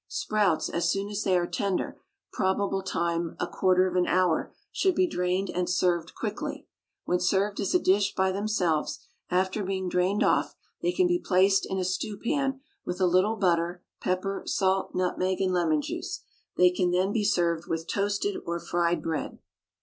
Sprouts, as soon as they are tender probable time a quarter of an hour should be drained and served quickly. When served as a dish by themselves, after being drained off, they can be placed in a stew pan with a little butter, pepper, salt, nutmeg, and lemon juice. They can then be served with toasted or fried bread.